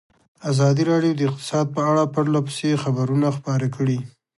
ازادي راډیو د اقتصاد په اړه پرله پسې خبرونه خپاره کړي.